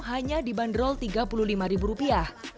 hanya dibanderol tiga puluh lima ribu rupiah